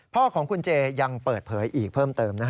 พ่อของคุณเจยังเปิดเผยอีกเพิ่มเติม